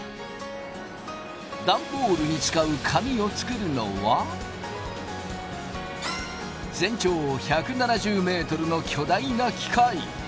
ダンボールに使う紙を作るのは全長１７０ｍの巨大な機械。